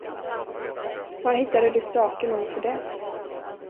Var hittade du stake nog för det?